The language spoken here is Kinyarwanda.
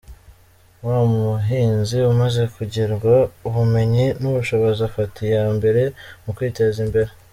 Wa muhinzi umaze kongererwa ubumenyi n’ubushobozi afata iya mbere mu kwiteza imbere”.